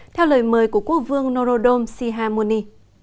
theo lời mời của quốc vương norodom sihamoni